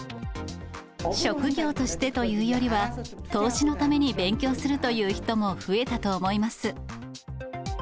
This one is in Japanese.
職業としてというよりは、投資のために勉強するという人も増えたと思います。